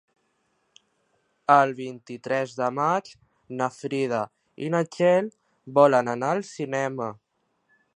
El vint-i-tres de maig na Frida i na Txell volen anar al cinema.